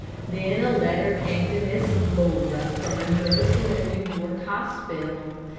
Then a letter came to Miss Laura from a nurse in a New York hospital.